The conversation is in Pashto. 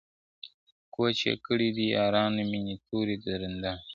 کوچ یې کړی دی یارانو مېني توري د رندانو ,